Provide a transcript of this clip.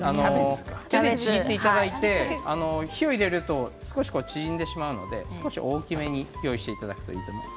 手でちぎっていただいて火を入れると少し縮んでしまうので少し大きめに用意していただくといいと思います。